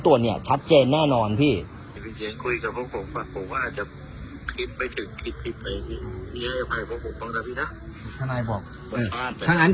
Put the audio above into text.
แต่ผมเจอปปสไงแหน่พี่ถ้าสมมติม่วงข้าง